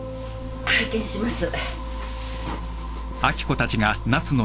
拝見します。